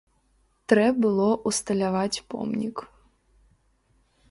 Трэ было ўсталяваць помнік.